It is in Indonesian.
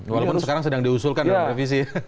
walaupun sekarang sedang diusulkan dalam revisi